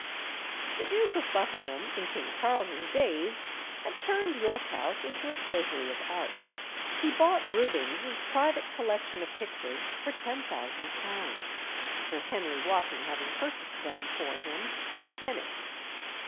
The Duke of Buckingham, in King Charles's days, had turned York House into a treasury of art. He bought Rubens's private collection of pictures for £10,000, Sir Henry Wotten having purchased them for him at Venice.